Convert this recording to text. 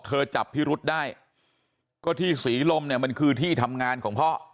จับพิรุษได้ก็ที่ศรีลมเนี่ยมันคือที่ทำงานของพ่อ